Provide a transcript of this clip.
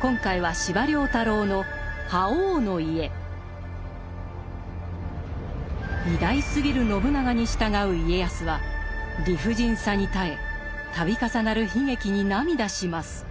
今回は司馬太郎の「覇王の家」。偉大すぎる信長に従う家康は理不尽さに耐え度重なる悲劇に涙します。